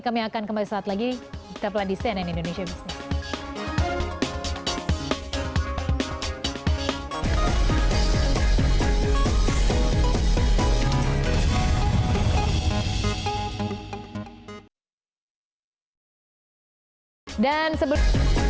kami akan kembali suatu saat lagi di tepeladisian and indonesia business